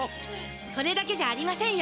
これだけじゃありませんよ。